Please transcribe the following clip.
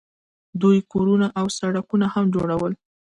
دوی کورونه او سړکونه هم جوړول.